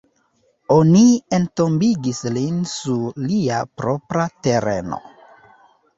Oni entombigis lin sur lia propra tereno.